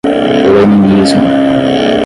leninismo